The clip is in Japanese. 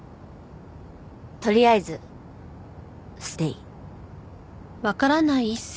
とりあえずステイ。